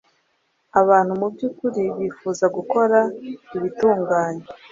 abantu mu by’ukuri bifuza gukora ibitunganye